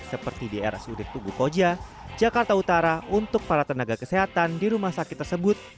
seperti di rsud tugu koja jakarta utara untuk para tenaga kesehatan di rumah sakit tersebut